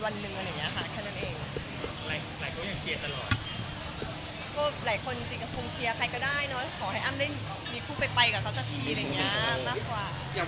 มันไม่ได้หวานพูดเลยจำว่าก่อนเราเจอเขียนเกือบทุกวัน